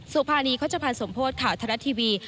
สุภาณีเข้าจะพันสมโพธิ์ข่าวทลัททีวี